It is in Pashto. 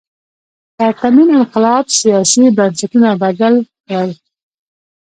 پرتمین انقلاب سیاسي بنسټونه بدل کړل.